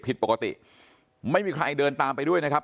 ผิดปกติไม่มีใครเดินตามไปด้วยนะครับ